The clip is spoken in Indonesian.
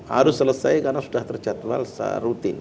harus selesai karena sudah terjadwal serutin